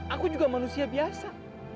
aku juga manusia biasa